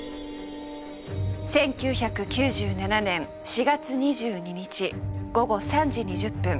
１９９７年４月２２日午後３時２０分。